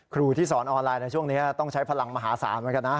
ครูที่สอนออนไลน์ในช่วงนี้ต้องใช้พลังมหาศาลเหมือนกันนะ